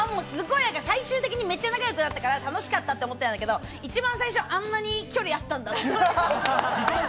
最終的にめっちゃ仲良くなったから楽しかったって思ったんだけど、一番最初、あんなに距離あったんだっていう。